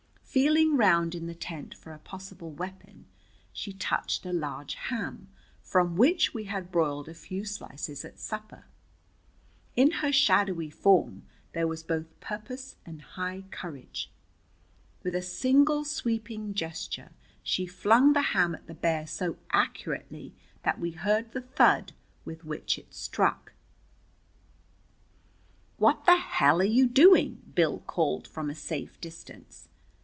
Feeling round in the tent for a possible weapon, she touched a large ham, from which we had broiled a few slices at supper. In her shadowy form there was both purpose and high courage. With a single sweeping gesture she flung the ham at the bear so accurately that we heard the thud with which it struck. "What the hell are you doing?" Bill called from a safe distance.